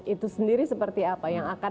itu sendiri seperti apa yang akan